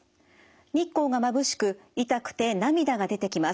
日光がまぶしく痛くて涙が出てきます。